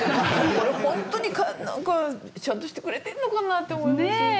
あれホントになんかちゃんとしてくれてるのかなって思います。